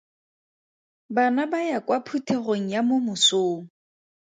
Bana ba ya kwa phuthegong ya mo mosong.